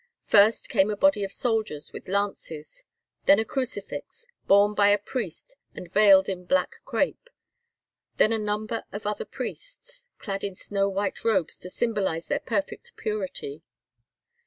First came a body of soldiers with lances; then a crucifix, borne by a priest and veiled in black crape; then a number of other priests, clad in snow white robes to symbolise their perfect purity.